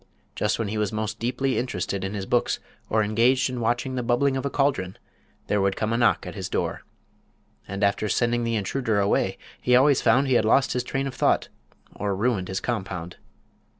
Just when he was most deeply interested in his books or engaged in watching the bubbling of a cauldron there would come a knock at his door. And after sending the intruder away he always found he had lost his train of thought or ruined his compound.